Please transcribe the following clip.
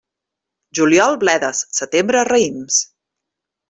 Juliol, bledes; setembre, raïms.